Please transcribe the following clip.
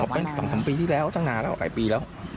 เป็นสามปีที่แล้วหลายปีแล้ว